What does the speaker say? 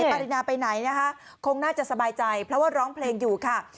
ปรินาไปไหนนะคะคงน่าจะสบายใจเพราะว่าร้องเพลงอยู่ค่ะ